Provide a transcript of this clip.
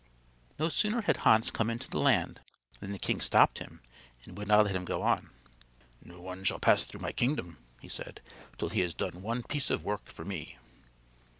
No sooner had Hans come into the land than the king stopped him and would not let him go on. "No one shall pass through my kingdom," he said, "till he has done one piece of work for me."